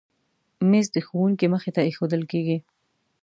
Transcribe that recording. مېز د ښوونکي مخې ته ایښودل کېږي.